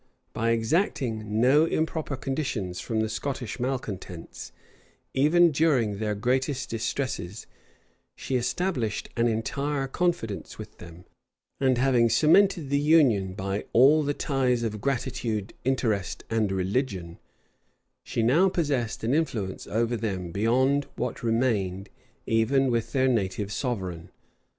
By exacting no improper conditions from the Scottish malecontents, even during their greatest distresses, she established an entire confidence with them; and having cemented the union by all the ties of gratitude, interest, and religion, she now possessed an influence over them beyond what remained even with their native sovereign.